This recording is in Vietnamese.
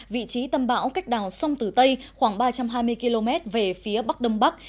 vị trí tâm bão cách đào sông tử tây khoảng ba trăm hai mươi km về phía bắc đông bắc